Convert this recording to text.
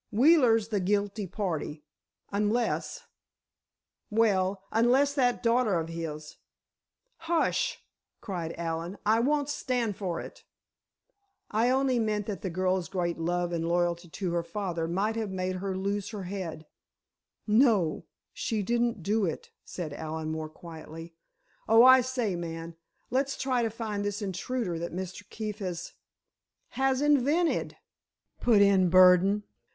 Wheeler's the guilty party—unless—well, unless that daughter of his——" "Hush!" cried Allen. "I won't stand for it!" "I only meant that the girl's great love and loyalty to her father might have made her lose her head——" "No; she didn't do it," said Allen, more quietly. "Oh, I say, man, let's try to find this intruder that Mr. Keefe has——" "Has invented!" put in Burdon.